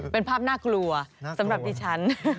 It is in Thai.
เป็นภาพน่ากลัวสำหรับดิฉัน